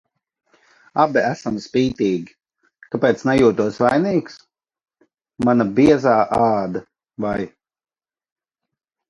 Abi esam spītīgi. Kāpēc nejūtos vainīgs? Mana biezā āda, vai?